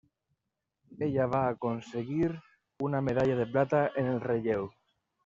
Ella va aconseguir una medalla de plata en el relleu.